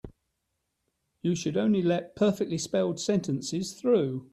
You should only let perfectly spelled sentences through.